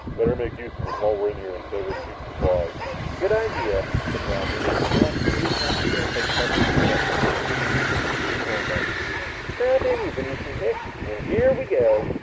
"Better make use of it while we're in here and save our suits' supplies." "Good idea," said Roger. He locked the clear plastic airtight covering of the jet boat and began flicking at the control buttons. "Strap in, you Venusian hick. Here we go!"